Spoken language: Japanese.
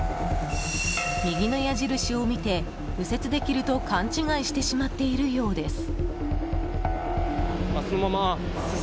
右の矢印を見て右折できると勘違いしてしまっているようです。